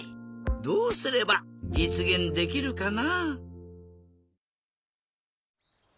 どうすればじつげんできるかな？